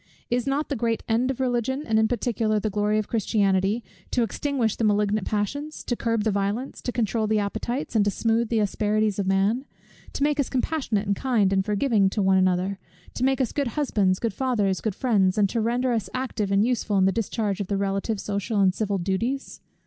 Is it not the great end of Religion, and in particular the glory of Christianity, to extinguish the malignant passions; to curb the violence, to controul the appetites, and to smooth the asperities of man; to make us compassionate and kind, and forgiving one to another; to make us good husbands, good fathers, good friends, and to render us active and useful in the discharge of the relative, social, and civil duties?